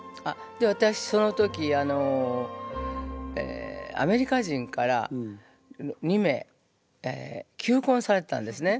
私その時あのアメリカ人から２名求婚されてたんですね。